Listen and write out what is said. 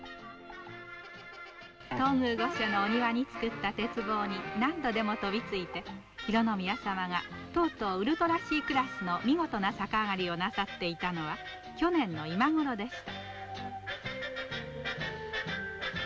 東宮御所のお庭に作った鉄棒に、何度でもとびついて、浩宮さまがとうとうウルトラＣクラスの見事な逆上がりをなさっていたのは去年の今頃でした。